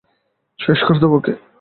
শেষ করে দাও ওকে!